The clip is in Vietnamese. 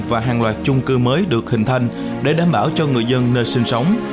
và hàng loạt chung cư mới được hình thành để đảm bảo cho người dân nơi sinh sống